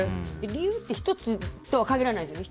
理由って１つとは限らないですよね。